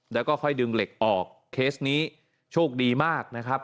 แล้วก็ค่อยดึงเหล็กออกเคสนี้โชคดีมากนะครับ